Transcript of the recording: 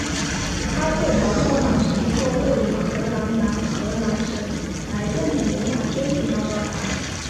哈特桥教堂是一座位于荷兰南荷兰省莱顿的罗马天主教教堂。